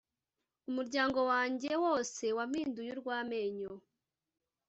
Umuryango wanjye wose wampinduye urw’amenyo,